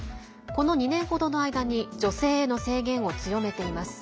この２年程の間に女性への制限を強めています。